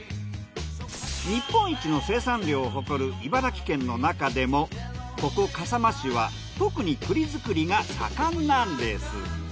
日本一の生産量を誇る茨城県の中でもここ笠間市は特に栗作りが盛んなんです。